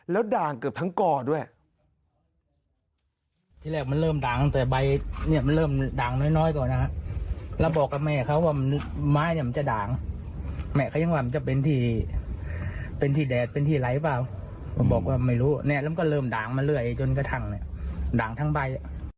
แล้วด่างเกือบทั้งก่อด้วย